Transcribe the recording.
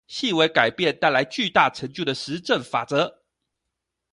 細微改變帶來巨大成就的實證法則